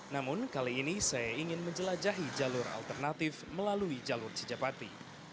namun kali ini saya ingin menjelajahi jalur alternatif melalui jalur cijapati